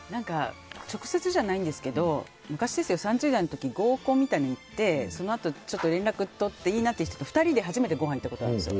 直接じゃないんですけど昔、３０代の時に合コンみたいなのに行ってそのあと、連絡を取っていいなっていう人と２人で初めてごはん行ったことあるんですよ。